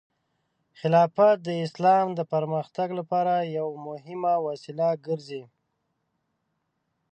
خلافت د اسلام د پرمختګ لپاره یو مهم وسیله ګرځي.